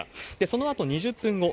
そのあと、２０分後、